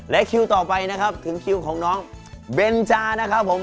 และคิวต่อไปนะครับถึงคิวของน้องเบนจานะครับผม